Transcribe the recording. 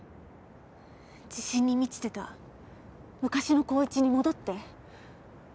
自信に満ちてた昔の紘一に戻って。